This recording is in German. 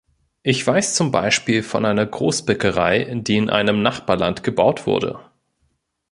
Ich weiß zum Bespiel von einer Großbäckerei, die in einem Nachbarland gebaut wurde.